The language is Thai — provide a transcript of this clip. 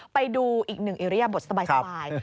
ไปดูอีก๑อิเรียบทสบาย